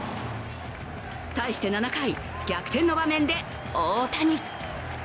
対して７回、逆転の場面で大谷。